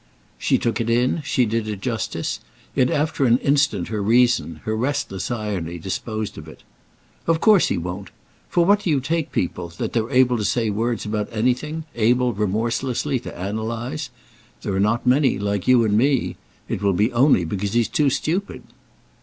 She took it in; she did it justice; yet after an instant her reason, her restless irony, disposed of it. "Of course he won't. For what do you take people, that they're able to say words about anything, able remorselessly to analyse? There are not many like you and me. It will be only because he's too stupid."